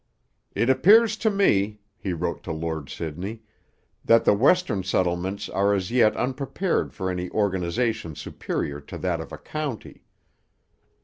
'It appears to me,' he wrote to Lord Sydney, 'that the western settlements are as yet unprepared for any organization superior to that of a county.'